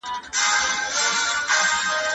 تاسي په خپلو خبرو کي پوهه لرئ.